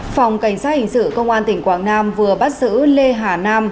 phòng cảnh sát hình sự công an tỉnh quảng nam vừa bắt giữ lê hà nam